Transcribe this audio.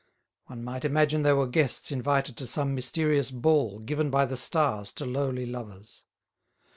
One might imagine they were guests invited to some mysterious ball given by the stars to lowly lovers.